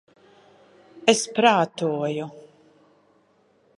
Es prātoju...